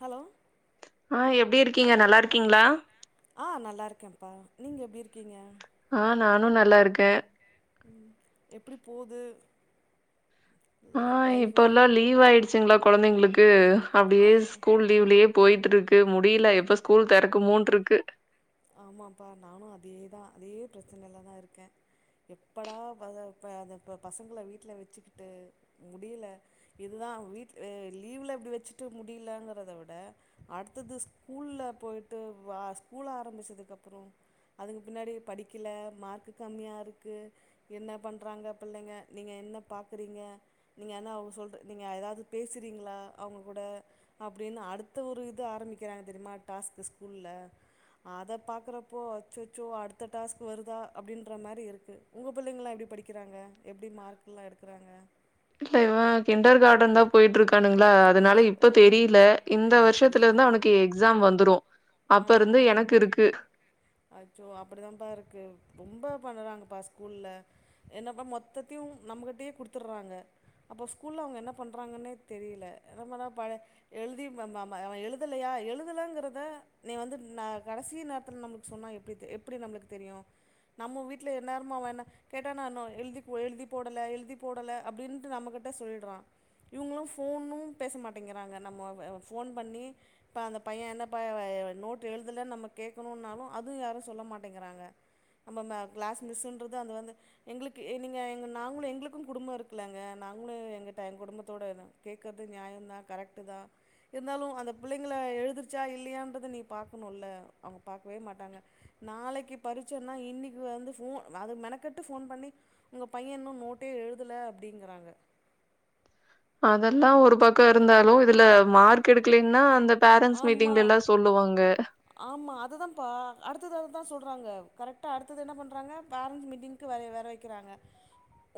Hello ஆஹ் எப்படி இருக்கீங்க நல்லா இருக்கீங்களா ஆ நல்லா இருக்கேன்ப்பா நீங்க எப்படி இருக்கீங்க ஆஹ் நானும் நல்லா இருக்கேன் உம் எப்படி போகுது ஆஹ் இப்பல்லாம் லீவ் ஆயிடுச்சுங்களா குழந்தைங்களுக்கு அப்படியே ஆ ஸ்கூல் லீவ்லயே போயிருக்கு முடியல எப்ப ஸ்கூல் தெறக்கு மோன்றுக்கு க்கு ஆமாப்பா நானும் அதேதான் அதே பிரச்சனைலதான் இருக்கேன் எப்படா பசங்களை வீட்டுல வச்சுக்கிட்டு முடியல இதுதான் வீட லீவ்ல எப்படி வச்சுட்டு முடியலங்கறத விட அடுத்தது ஸ்கூல்ல போயிட்டு ஸ்கூல ஆரம்பிச்சதுக்கப்புறம் அதுக்கு பின்னாடி படிக்கல மார்க்கு கம்மியாக இருக்கு என்ன பண்றாங்க பிள்ளைங்க நீங்கள் என்ன பாக்கறீங்க நீங்கள் என்ன அவங்க சொல் நீங்கள் ஏதாவது பேசுறீங்களா அவங்க கூட அப்படின்னு அடுத்த ஒரு இது ஆரம்பிக்கிறாங்க தெரியுமா டாஸ்க்கு ஸ்கூல்ல அதை பாக்கறப்போ அச்சச்சோ அடுத்த டாஸ்க் வருதா அப்படின்ற மாதிரி இருக்கு உங்க புள்ளைங்க எப்படி படிக்கிறாங்க எப்படி மார்க் எல்லாம் எடுக்கிறாங்க இல்ல இவன் கிண்டர் கார்டன் தான் போயிட்டு இருக்க ரானுங்களா அதனால ஓ! இப்ப நானே தெரியல இந்த இப்ப வருஷத்துல அப்டியா? இருந்து டியூஷன் அவனுக்கு எக்ஸாம் வந்துரும் ஆ, அப்ப இருந்து ஆ. எனக்கு இருக்கு அச்சோ அப்படித்தான்ப்பா இருக்கு ரொம்ப பண்ணறாங்கப்பா ஸ்கூல்ல என்னப்பா மொத்தத்தையும் நம்மகிட்டயே குடுத்துடுறாங்க அப்போ ஸ்கூல்ல அவங்க என்ன பண்றாங்கன்னே தெரியல என்னா எழுதி எழுதலையா எழுதலைங்கிறத நீ வந்து ந கடைசி நேரத்தில் நமக்கு சொன்னா எடி எப்படி நம தெரியும் நம்ம வீட்டில்மேட்ட எழுதி போடலை எழுதி போடலை அப்பட நம்மகிட்ட சொல்லிடுறான் இவங்களும் போனும் பேச மாட்டேங்கிறாங்க நம்ம போன் பண்ணி அந்த பையன் என்ன நோட் எழுதல நம்ம கேக்கணும்னாலும் அதுவும் யாரும் சொல்ல மாட்டேங்கிறாங்க நம்ம கிளாஸ் மிஸ்ஸன்றது அந்த வந்து எங்களுக்கு நீங்கள் எங்கள் நாங்களும் எங்களுக்கும் குடும்பம் இருக்குலலைங்க நாங்களும் எங்கிட்ட எங்கள் குடும்பத்தோடு கேட்கறது நியாயம தான் கரெக்டு தான் இருந்தாலும் அந்த பிள்ளைங்கள எழுதிருச்சா இல்லையான்றது நீ பாக்கணும்ல அவங்க பாக்கவே மாட்ட நாளைக்கு பரீட்சனா இன்னைக்கு வந்து போன் அத மெனக்கொட்டு உங்க பையன் இன்னும் நோட்டே எழுதல அப்டிங்கிறாங்க அதெல்லாம் ஒரு பக்கம் இருந்தாலும் இதுல மார்க் எடுக்கலன்னா அந்த பேரண்ட்ஸ் ஆமா மீட்டிங்ல எல்லா சொல்லுவாங்க. ஆமா அத தான்பா அடுத்தது சொல்றாங்க கரெக்டா அடுத்த என்ன பண்றாங்க பேரண்ஸ் மீட்டிங்கு வர வக்கிறாங்க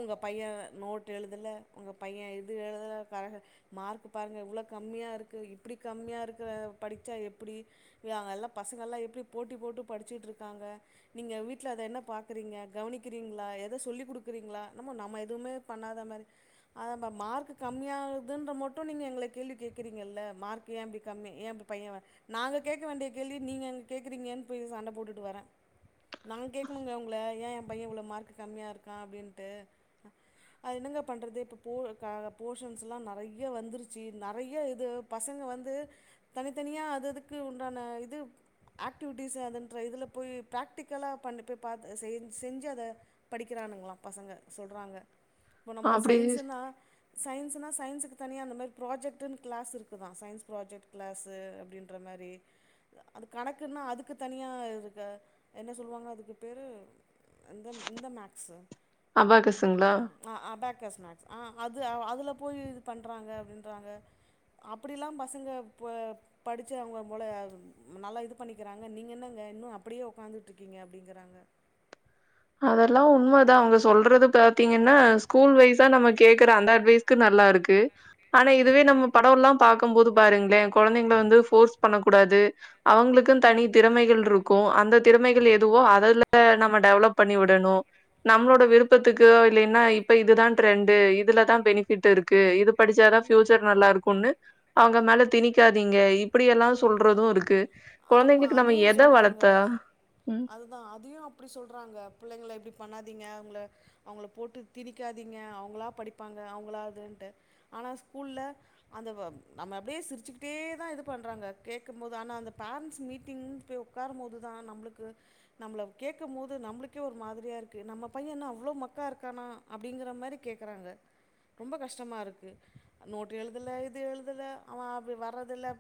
உங்க பையன் நோட் எழுதல உங்க பையன் இது எழுதல மார்க் பாருங்க இவ்வளோ கம்மியாக இருக்கு இப்படி கம்மியாக இருக்கு படிச்சா எப்படிங்க எல்லாம் பசங்க எல்லாம் எப்படி போட்டி போட்டு படிச்சுட்டு இருக்காங்க நீங்க வீட்டில் அதை என்ன பாக்றீங்க கவனிக்கிறீங்களா எதை சொல்லிக் கொடுக்கறீங்களம நம்ம எதுவுமே பண்ணாத மாதிரி மார்க் கம்மியாகதுன்ற மட்டும் நீங்க எங்களை கேள்வி கேக்குறீங்கல மார்க் ஏன் கம்மி ஏன் இப்போ பையன் நாங்கள் கேட்க வேண்டிய கேள்வி நீங்கள் அங்கே கேட்குறீங்கன்னு போய் சண்டை போட்டுட்டு வரேன் நாங்கள் கேட்கணுங்க உங்களை ஏன் என் பையன் இவ்வளோ மார்க் கம்மியாக இருக்கான் அப்படின்ட்டு அது என்னங்க பண்ணுறது இப்போ போ போஷன்ஸ்லாம் நிறைய வந்துருச்சு நிறைய இது பசங்கள் வந்து தனித்தனியாக அது அதுக்கு உண்டான இது ஆக்டிவிட்டிஸ் அதுன்ற இதில் போய் பிராக்டிக்கலாக பண்ணி போய் பார்த்து செஞ்சு அதை படிக்கிறானுங்களாம் பசங்க சொல்கிறாங்க இப்ப நம்ம அப்டி சயின்ஸ்ன்னா சயின்ஸுனா சயின்ஸுக்கு தனியா இந்த மாரி் ப்ராஜக்டுனு கிளாஸ் இருக்கு தான் சயின்ஸ் ப்ராஜெக்ட் கிளாஸ் அப்படின்ற மாதிரி அது கணக்குன்னா அதுக்கு தனியாக இருக்க என்ன சொல்லுவாங்களோ அதுக்கு பேர் இந்த மேக்ஸ் அபாகசுங்களா அபேக்கஸ் ஆ அது அதில போய் இது பண்ணுறாங்க அப்படிலாம் பசங்க இப்ப படிச்ச அவங்க மொள நல்லா இது பண்ணிக்கிறாங்க நீங்கள் என்னங்க இன்னும் அப்படியே உக்காந்துட்டு இருக்கீங்க அப்படிங்கிறாங்க அதெல்லாம் உண்மைதான் அவங்க சொல்றது பாத்தீங்கன்னா ஸ்கூல் வைஸா நம்ம கேக்குற அந்த அட்வைஸ்க்கு நல்லா இருக்கு ஆனா இதுவே நம்ம படம் எல்லாம் பாக் போது பாருங்களேன் குழந்தைங்க வந்து ஃபோர்ஸ் பண்ணக்க கூடாது உம் அவுங்களுக்கும் தனி திறமைகள் இருக்கும் அந்த திறமைகள் எதுவோ அததுல நம்ம டெவலப் பண்ணி விடணும் நம்மளோட விருப்பத்துக்கோ இல்ல என்ன இப்ப இதுதான் ட்ரெண்டு் இதுலதான் பெனிபிட் இருக்கு இது படிச்சாதான் ப்ஃயூச்சர் நல்லா இருக்கும்னு அவங்க மேல திணிக்காதீங்க இப்படி எல்லாம் சொல்றதும் இருக்கு ஆமா குழந்தைங்களுக்கு நம்ம அதுவும் எத சொல்றாங்க வளர்த்தா? ம். அதுதான் அதையும் அப்படி சொல்றாங்க புள்ளைங்கள இப்படி பண்ணாதீங்க அவங்கள அவங்கள போட்டு திணிக்காதீங்க அவங்களா படிப்பாங்க அவங்களா இதுன்டு ஆனால் ஸ்கூல்ல அந்த நம்ம அப்படியே சிரிச்சுக்கிட்டே தான் இது பண்ணுறாங்க கேட்கும் போது ஆனால் அந்த பேரண்ட்ஸ் மீட்டிங் போய் உட்காரும் போதுதான் நம்ளுக்கு நம்மல கேட்கும் போது நம்மளுக்கே ஒரு மாதிரியா இருக்கு நம்ம பையன்ன அவ்ளோ மக்கா இருக்கானா அப்படிங்க மாரி கேக்குறாங்க ரொம்ப கஷ்டமா இருக்கு நோட்டு எழுதல இது எழுதல அவ வரதில்ல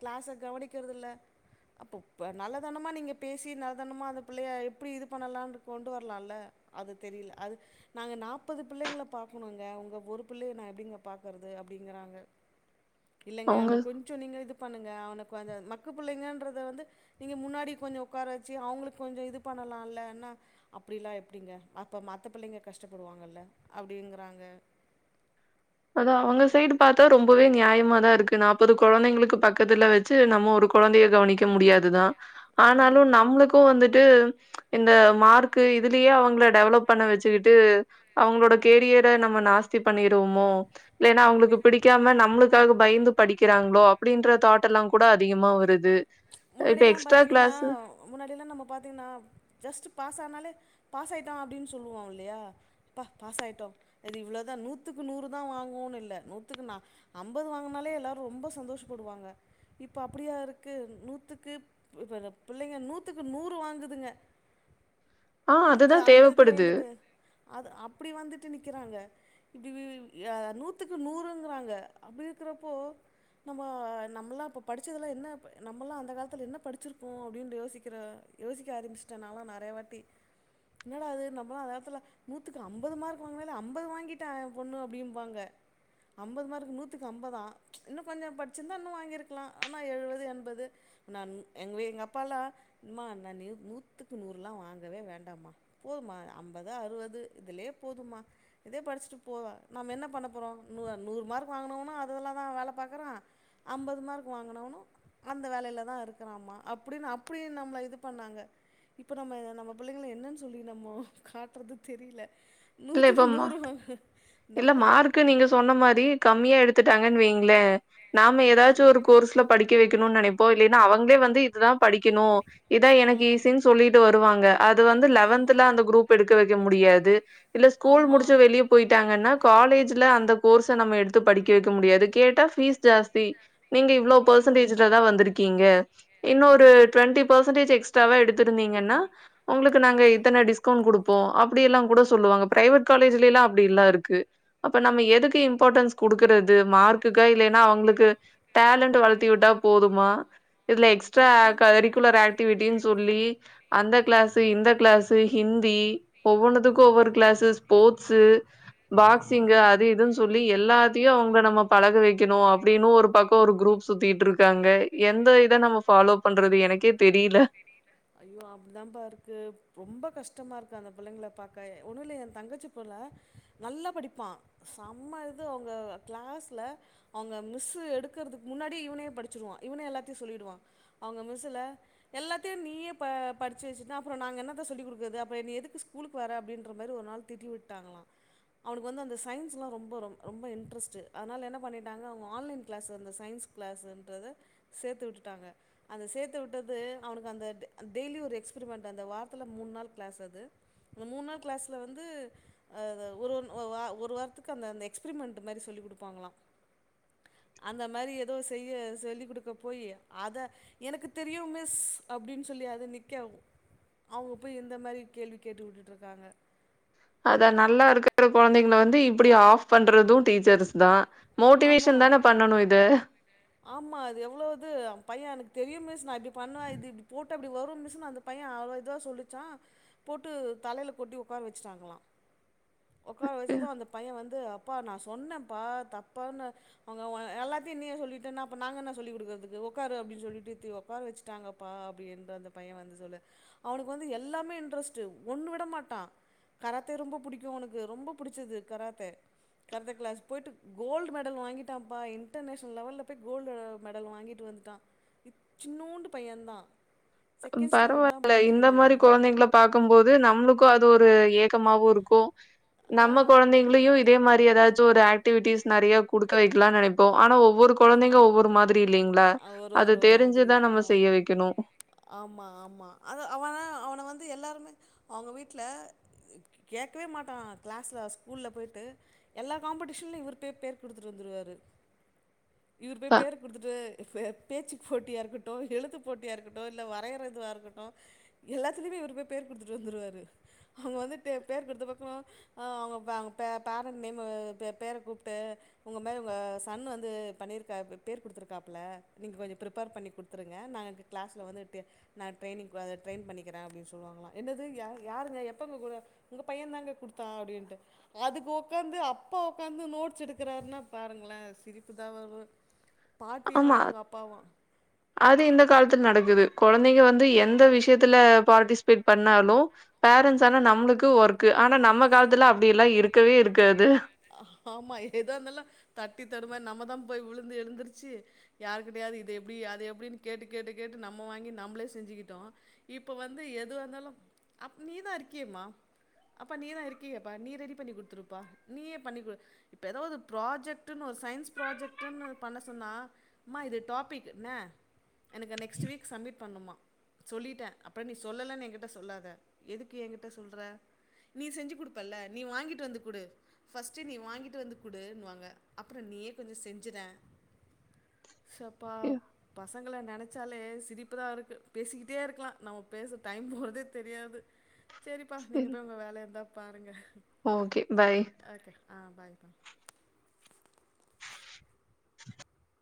கிளாஸ்ஸ கவனிக் க்கிறதுல அப்போ நல்லதனமா நீங்க பேசி நல்லதனமா அந்த பிள்ளைய எப்படி இது பண்ணலாம்னு கொண்டு வரலாம்ல அது தெரியல அது நாங்க நாப்பது பிள்ளைங்களை பாக்கணுங்க உங்க ஒரு பிள்ளைய நான் எப்படிங்க பாக்குறது அப்படிங்கறாங்க இலங்க அவங்க கொஞ்சம் நீங்க இது பண்ணுங்க எவனுக் வந்து மக்க பிள்ளைங்கன்றத வந்து நீங்க முன்னாடி கொஞ்சம் உட்கார வச்சு அவங்களுக்கு கொஞ்சம் இது பண்ணலலா நா அப்படிலாம் எப்படிங்க அப்ப மத்த பிள்ளைங்க கஷ்டப்படுவாங்கல்ல அப்படிங்கறாங்க அதான் அவங்க சைடு பாத்தா ரொம் இப்பவே நியாயமா தான் இருக்கு நாற்பது குழந்தைகளுக்கு பக்கத்தில் வச்சு நம்ம ஒரு கு குழந்தைய கவனிக்க முடியாதுதான் ஆனாலும் ஆமாம் நம்மளுக்கும் வந்துட் இது இந்த மார்க்கு இதுலயே அவங்கள டெவலப் பண்ண வச்சுக்கிட்டு அவங்களோட கேரியர நம்ம நாஸ்தி பண்ணடுவோமோ ஹா இல்லைன்னா அவங்களுக்கு பிடிக்காம நம்மளுக்காக பயந்து படிக்கிறாங்களோ அப்படின்ற தாட் எல்லாம் கூட அதிகமா வருது இப்ப முன்னாடிய எல்லாம் எக்ஸ்ட்ரா பாத்தீங்கன்னா கிளாஸு முன்னாடி எல்லாம் நம்ம பாத்தீங்கன்னா ஜஸ்ட் பாஸ் ஆனாலே பாச ஐட்டும் அப்படின்னு சொல்லுவு இல்லையா ப்ப பாச ஐட்டம் அது இவ்வளோதான் நூத்துக்கு நூறு தான் வாங்குவோன்னனு இல்ல நூத்துக்கு நா ஐம்பது வாங்குனாலே எல்லாரும் ரொம்ப சந்தோஷப்படுவாங்க இப்ப அப்படியா இருக்கு நூத் துக்கு இப்ர பிள்ளைங்க நூத்துக்கு நூறு வாங்குதுங்க ஆ அந்த அதுதா அந்த தேவப்படுது இதுலவந்துட்டு அது அப்படி வந்துட்டு நிக்கிறாங்க இப்டி விழு எ நூத்துக்கு நூறுங்குறங்க அப்படி இருக்கிறப்போ நம்ம நம்மலா இப்ப படிச்சதுல்லாம் என்ன அப் நம்மாம் அந்த காலத்தில் என்ன படிச்சிருக்கோம் அப்படின்னு யோசிக்கிற யோசிக்க ஆரமிச்சிட்டேனாலாம் நிறைய வாட்டி என்னடா அது நம்மனா அந்தநேரத்துல நூற்றுக்கு ஐம்பது மார்க் வாங்கினால ஐம்பது வாங்கிட்ட யேபொண்ணு அப்படிம்பாங்க ஐம்பது மார்க் நூற்றுக்கு ஐம்பத இன்னும் கொஞ்சம் படிச்சிருந்தா இன்னும் வாங்கியிருக்கலாம் ஆனால் எழுவது எண்பது நான் எங்வி எங்க அப்பால்லாம் மா நா னி நான் நூத்துக்குநூறுலாம் வாங்கவே வேண்டாம்மா போதும்மா ஐம்பது அறுவது இதலே போதும்மா இதே படிச்சுட்டு போ நாம்ம என்ன பண்ண போகிறோம் நூ நூறுமார்க் வாங்கினனும் அதல்லாம் தான் வேல பாக்குறன் ஐம்பது மார்க் வாங்கினனும் அந்த வேலையில இருக்க அப்படின்னு அப்படி நம்ம இது பண்ணாங்க இப்ப நம்ம நம்ம பிள்ளைங்கல என்னன்னு சொல்லி நம்ம காட்டுறது தெரியல இல்ல நூதுக்கு இப்ப மா நூறு வாங்கு இல்ல மார்க்கு நீங்க சொன்ன மாதிரி கம்மியா எடுத்துட்டாங்கன்னு வைங்களே நாம ஆ ஏதாச்சும் ஒரு கோர்ஸ்ல படிக்க வைக்க இருக்கணும்னு நினைப்போம் இல்லைன்னா அவங்களே வந்து இதுதான் படிக்கணும் இதான் ஆ எனக்கு ஈசினு சொல்லிட்டு வருவாங்க அது வந்து ஆமா லெவன்த்ல அந்த குரூப் எடுக்க வைக்க முடியாது இல்ல ஸ்கூல் ஆமா முடிச்சி வெளியே போயிட்டு காலேஜ்ல அந்த கோர்ஸை நம்ம எடுத்து படிக்க வைக்க முடியாது கேட்டா பீஸ் ஜாஸ்தி நீங்க இவ்வளோப் ஆமா பாசண்டேஜிலதான் வந்திருக்கிங்க இன்னும் ஒரு ஆமா டோன்டிபாசண்டாஜ் எக்ஸ்ட எடுத்திருந்தீங்கன்னா உங்களுக்கு ஆ நாங்க இத்தனை டிஸ்கவுண்ட் கொடுப்போம் அப்போ அப்டில்லா கூட சொல்லுவங்க ப்ரைவேட் காலேஜல அப் அப்டிலாம் இருக்கு அப்ப நம்ம எதுக்கு இம்பார்ட்டன்ஸ் குடுக்கறது மார்க்குக்கா இல்லைன்னா அவங்களுக்கு டேலண்டட் வளர்த்தி விட்டா போதுமா இதுல அதுதான் எக்ஸ்டகரிக்குலர் ஆக்டிவிட்டின்னு சொல்லி அந்த கிளாஸ் இந்த கிளாஸ் ப்ப ஹிந்தி ஒவ்வொன்னதுக்கும் ஒவ்வொரு ம் கிளாசாஸ் போட்ஸ் ஆமா பாக்சிங்கு அது இதுன்னு சொல்லி எல்லா தையு அவங்க நம்ம பழக வைக்கணும் அப்படின்னு ஒரு பக்கம் ஒரு குரூப் சுத்திட்டு இருக்காங்க தெரியல. ஐயோ அப்படிதான் பா இருக்கு ரொம்ப கஷ்டமா இருக்கு அந்த பிள்ளைளை பார்க என் தங்கச்சி புள்ள நல்ல படிப்பான் சம அவங்க கிளாஸ்ல அவ மிஸ் எடுக்கிறதுக்கு முன்னா படிச்ச எல்லா சொல்லிடுவாங்க அவங்க மிஸ்ல எல்லாத்தையும் நீயே ப படிச்சு வச்சிட்டா அப்புறம் நாங்க என்னத்த சொல்லிடுக்குற அப்புறம் எதுக்கு ஸ்கூலுக்கு வர அப்படி மாதிரி ஒரு நாள் திட்டி விட்டாகளாம் அவனுக்கு வந்து சயன்ஸ்யெல்லாம் ரொம்ப ரொம்ப இன்ட்ரஸ்டு அதனால என்ன பண்ணிடாங்க அவுங்க ஆன்லைன் கிளாஸ் அந்த சயன்ஸ்கிளாஸ்ன்றத சேர்த்து விட்டுட்டாங்க அந்த சேர்த்து விட்டது அவனுக்கு அந்த டெய்லி ஒரு எக்ஸ்பெரிமெண்ட் அந்த வாரத்தில் மூணு நாள் கிளாஸ் அது அந்த மூணு நாள் கிளாஸில் வந்து ஒரு ஒரு வாரத்துக்கு அந்த அந்த எக்ஸ்பரிமெண்ட் மாதிரி சொல்லிக் கொடுப்பாங்களாம் அந்த மாதிரி ஏதோ செய்ய சொல்லிக் கொடுக்க போய் அத எனக்கு தெரியும் மிஸ் அப்படின்னு சொல்லி அதது நிக்க அவங்க போய் இந்த மாதிரி கேள்வி கேட்டுக்கட்டுட்டு இருக்காங்க அதான் நல்லா இருக்கற குழந்தைகள வந்து இப்படி ஆஃப் பண்றதும் டீச்சர்ஸ் தான் மோட்டிவேஷன் தானே பண்ணனும் இது ஆமாம் அது எவ்வளோவுது பையன் எனக்கு தெரியும் மிஸ் நான் இப்படி பண்ணேன் இது இப்படி போட்டு அப்படி வரும் மிஸ் அந்த பையன் அவ்வளோ இதவாக சொல்லிச்சா போட்டு தலையில் கொட்டி உட்கார வச்சுட்டாங்களாம் உடக்கார வயசதும் அந்த பையன் வந்து அப்பா நான் சொன்னேன்ப்பா தப்பன்னு அவங்க எல்லாத்தையும் நீயே சொல்லிட்டு இது என்னப நாங்க என்ன சொல்லி குடுக்கிறதுக்கு உக்காரு அப்படினு சொல்லிட்டு ஒக்காரவச்சிட்டாங்கபா அப்படினு அந்த பைய வந்து சொல்ல அவனுக்கு வந்து எல்லாமே இன்ட்ரெஸ்ட்டு ஒன்னு விட மாட்டான் கராத்தே ரொம்ப புடிக்கும் அவனுக்கு ரொம்ப புடிச்சது கராத்தே கராத்தே கிளாஸ் போயிட்டு கோல்ட் மெடல் வாங்கி டாப்பா இன்டர்நேஷனல் லெவல்ல போய் கோல்டு மெடல் வாங்கிட்டு வந்துட்டான் சின்னுண்டு பையன் தான் பரவாயில்ல இந்த படிக்குது மாதிரி குழந்தைகளை பார்கக்கும்போது நம்மளுக்கும் அது ஒரு [inaudible] த்தமும் இருக்கும் ஆ நம்ம குழந்தைங்களையும் இதே மாதிரி ஏதாவது ஒரு ஆக்டிவிட்டிஸ் நிறைய குடுக்க வைக்கலாம்னு நினைப்போ ஆனா ஒவ்வொரு குழந்தைங்க ஒவ்வொரு மாதிரி இல்லைங்களா ஒரு அது ஒரு தெரிஞ்சுதான் நம்ம செய்ய வைக்கணும் ஆமாம் ஆமாம் அது அவன அவனை வந்து எல்லாருமே அவங்க வீட்ல கேட்கவே மாட்டான் க்ளாஷல ஸ்கூல்ல போயி்டட்டு எல்லா காம்படிஷன்லேும் இவர் பேர பேர் கொடுத்துட்டு வந்துருவாரு இவர்ரு ப போய் பேர் கொடுத்துட்டு பேச்சு போட்டியா இருக்கட்டும் எழுத்து போட்டிய இருக்கட்டும் டோரில் வரைையிற இதுவாக இருக்கட்டும் எல்லாத்துலையுமே இரு போர் பேர் கொடுத்துட்டு வந்துருவாரு அவங்க வந்து பேர் கொடுத்த பக்கம் அவங்க அவங்க பே பேரண்ட் நேம் பே பேரை கூப்பிட்டு உங்கள் மாதிரி உங்கள் சன்ன வந்து பண்ணியிருக்கா பேர் கொடுத்துருக்காப்பல நீங்கள் கொஞ்சம் ப்ரிப்பேர் பண்ணி கொடுத்துருங்க நாங்கள் கிளாஸில் வந்துட்டு நான் ட்ரெயனிங் அதை ட்ரெயின் பண்ணிக்கிறேன் அப்படின்னு சொல்லுவாங்களா என்னது யா யாருங்க எப்போங்க உங்கள் பையன தாங்க கொடுத்தா அப்படின்ட்டு அதுக்கு உட்காந்து அப்பா உடக்காந்து நோட்ஸ் எடுக்கிறாருன்னா பாருங்களே சிரிப்பு தான் வரும் பாட்டியும் ஆமா அவங்க அப்பாவும் அது இந்த காலத்து நடக்குது குழந்தைங்க வந்து எந்த விஷயத்துல பார்ட்டிசிபேட் பண்ணாலும் பேரண்ட்ஸ் ஆனா நம்மளுக்கு ஒர்க் ஆனா நம்ம காலத்துல அப்படிய எல்லாம் இருக்கவே இருக்காது ஆமா எத இருந்தாலும் தட்டி தடுமாறி நம்மதான் போய் விழுந்து எழுந்துருச்சு யாரு கிடையாவது இது எப்படி அது எப்படின்னு கேட்டு கேட்டு கேட்டு நம்ம வாங்கி நம்மளே செஞ்சுகிட்டோம் இப்ப வந்து எது இருந்தாலும் அம்ம நீதான் இருக்கியம்மா அப்பா நீதான் இருக்கீப்பா நீ ரெடி பண்ணி குடுத்துருப்பா நீயே பண்ணிடு இப்போ ஏதோது ஒரு ப்ராஜெக்டுன்னு ஒரு சயின்ஸ் ப்ராஜெக்ட்டுன்னு பண்ண சொன்ன மா இது டாபிக்ண்ண எனக்கு நெக்ஸ்ட் வீக் சப்மிட் பண்ணுமா சொல்லிட்டேன் அப்புறம் நீ சொல்லலைன்னு என்கிட்ட சொல்லாத எதுக்கு என்கிட்ட சொல்ற நீ செஞ்சு கொடுப்பல்ல நீ வாங்கிட்டு வந்து கொடு ஃஸ்ட்டே நீ வாங்கிட்டு வந்து குடுன்னுவாங்க அப்புறம் நீயே கொஞ்சம் செஞ்சுிட சப்பாப்ப பசங்களை நினைச்சாலே சிரிப்பு தான் இருக்கு பேசிக்கிட்டே இருக்கலாம் நம்ம பேச டைம் போகதே தெரியாது சரிப்பா நீங்கள் போய் உங்கள் வேலை இருந்தால் பாருங்க ஓகே பை. ஓகே ஆஹ் பாக்க [inaudible]